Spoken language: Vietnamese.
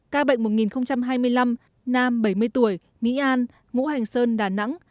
ca bệnh một hai mươi năm nam bảy mươi tuổi mỹ an ngũ hành sơn đà nẵng